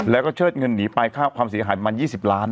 แล้วก็เชิดเงินหนีไปค่าความเสียหายประมาณ๒๐ล้าน